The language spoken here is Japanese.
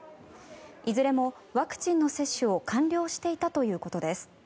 いずれもワクチンの接種を完了していたということです。